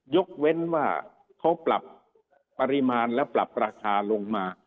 ยกเว้นว่าเขาปรับปริมาณและปรับราคาลงมา